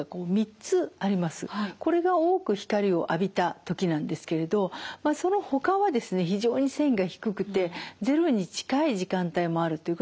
これが多く光を浴びた時なんですけれどそのほかは非常に線が低くてゼロに近い時間帯もあるということが分かります。